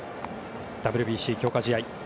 ＷＢＣ強化試合。